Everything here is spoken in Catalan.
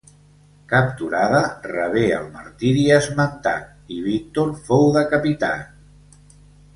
Capturada, rebé el martiri esmentat i Víctor fou decapitat.